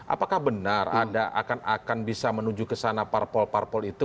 apakah benar anda akan bisa menuju ke sana parpol parpol itu